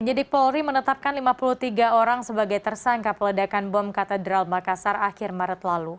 penyidik polri menetapkan lima puluh tiga orang sebagai tersangka peledakan bom katedral makassar akhir maret lalu